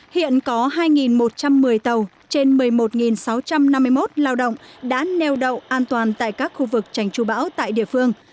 hiện có hai một trăm một mươi tàu trên một mươi một sáu trăm năm mươi một lao động đã neo đậu an toàn tại các khu vực trành tru bão tại địa phương